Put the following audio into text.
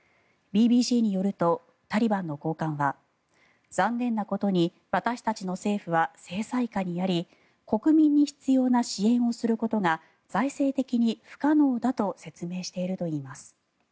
ＢＢＣによるとタリバンの高官は残念なことに私たちの政府は制裁下にあり国民に必要な支援をすることが財政的に不可能だと説明しているといいます。